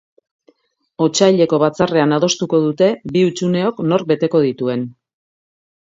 Otsaileko batzarrean adostuko dute bi hutsuneok nork beteko dituen.